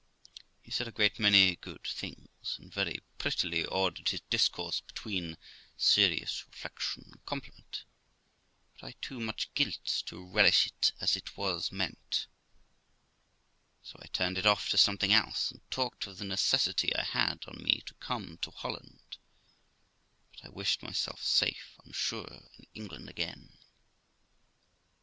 He said a great many good things, and very prettily ordered his discourse between serious reflection and compliment, but I had too much guilt to relish it as it was meant, so I turned it off to something else, and talked of the necessity I had on me to come to Holland, but I wished myself safe on shore in England again.